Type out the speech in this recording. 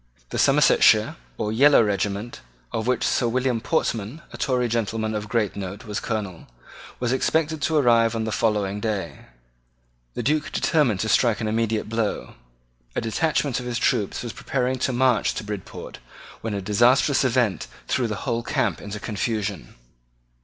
The Somersetshire, or yellow regiment, of which Sir William Portman, a Tory gentleman of great note, was Colonel, was expected to arrive on the following day. The Duke determined to strike an immediate blow. A detachment of his troops was preparing to march to Bridport when a disastrous event threw the whole camp into confusion.